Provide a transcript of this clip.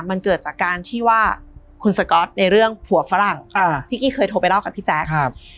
มันเกิดจากการที่ว่าคุณสก๊อตในเรื่องผัวฝรั่งที่กี้เคยโทรไปเล่ากับพี่แจ๊ค